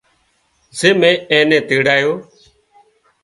زي مين اين نين تيڙايو